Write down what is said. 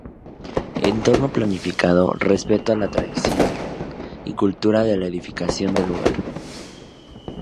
Entorno planificado, respeto a la tradición y cultura de la edificación del lugar.